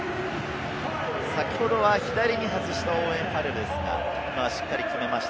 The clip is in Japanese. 先ほどは左に外したオーウェン・ファレルですが、しっかり決めました。